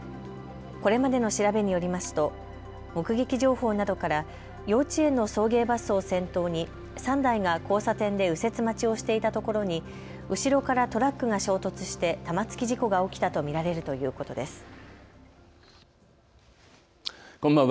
これまでの調べによりますと、目撃情報などから幼稚園の送迎バスを先頭に３台が交差点で右折待ちをしていたところに後ろからトラックが衝突して玉突き事故が起きたと見られるということです。